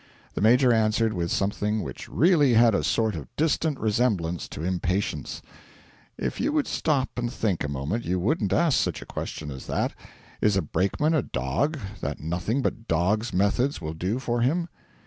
The Major answered with something which really had a sort of distant resemblance to impatience: 'If you would stop and think a moment you wouldn't ask such a question as that. Is a brakeman a dog, that nothing but dogs' methods will do for him?